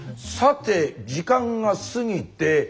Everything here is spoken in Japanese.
さて時間が過ぎて。